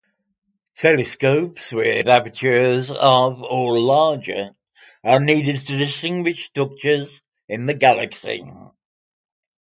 Telescopes with apertures of or larger are needed to distinguish structures in the galaxy.